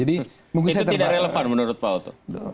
itu tidak relevan menurut pak oto